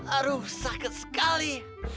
aduh sakit sekali